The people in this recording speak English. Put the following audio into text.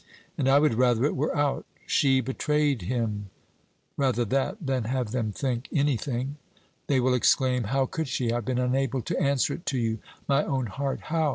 And I would rather it were out. "She betrayed him." Rather that, than have them think anything! They will exclaim, How could she! I have been unable to answer it to you my own heart. How?